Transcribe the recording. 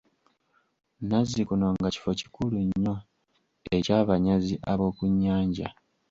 Nazikuno nga kifo kikulu nnyo eky'abanyazi ab'oku nnyanja.